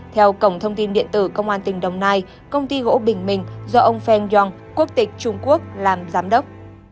theo cổng thông tin điện tử công an tỉnh đồng nai công ty gỗ bình minh do ông feng yong quốc tịch trung quốc làm giám đốc